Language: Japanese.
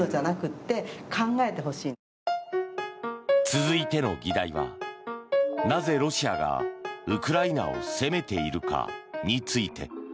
続いての議題はなぜ、ロシアがウクライナを攻めているか？について。